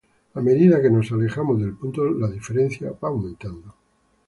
A medida que nos alejamos del punto la diferencia va aumentando.